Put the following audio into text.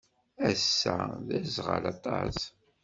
Ass-a d aẓɣal aṭas.